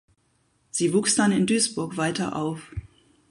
Sie wuchs dann in Duisburg weiter auf.